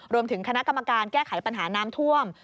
รวมถึงคณะกรรมการแก้ไขปัญหาน้ำท่วม